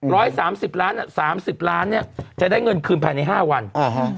ร้อยสามสิบล้านอ่ะสามสิบล้านเนี้ยจะได้เงินคืนภายในห้าวันอ่าฮะ